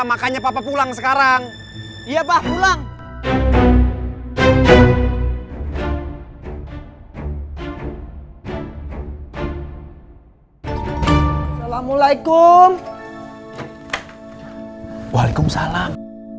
makanya papa pulang sekarang iya pak pulang assalamualaikum waalaikumsalam